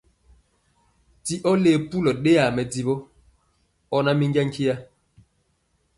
Ti ɔ le pulɔ ɗeyaa mɛdivɔ, ɔ na minja nkya.